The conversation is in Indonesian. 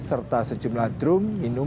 serta sejumlah drum minumir dan minumir